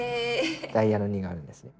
ダイヤの２があるんですよ。